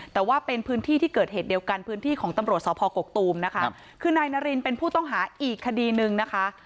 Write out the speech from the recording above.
แต่ว่าเป็นพื้นที่ที่เกิดเหตุเดียวกันพื้นที่ของตำรวจสพกกตูมนะคะคือนายนารินเป็นผู้ต้องหาอีกคดีนึงนะคะ